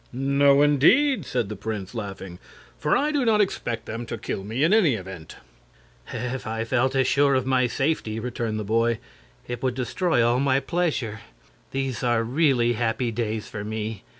"No, indeed," said the prince, laughing; "for I do not expect them to kill me, in any event." "If I felt as sure of my safety," returned the boy, "it would destroy all my pleasure. These are really happy days for me.